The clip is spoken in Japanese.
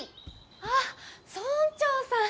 あっ村長さん。